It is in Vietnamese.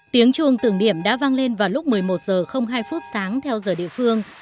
tiếng chuồng tưởng niệm đã vang lên vào lúc một mươi một h hai sáng theo giờ địa phương